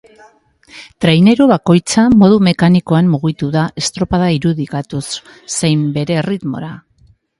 Traineru bakoitza modu mekanikoan mugituko da estropada irudikatuz, zein bere erritmora.